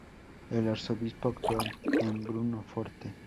El arzobispo actual en Bruno Forte.